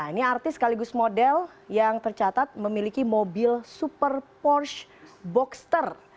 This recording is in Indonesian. ini artis sekaligus model yang tercatat memiliki mobil super porsch boxster